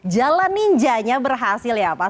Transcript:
jalan ninjanya berhasil ya pak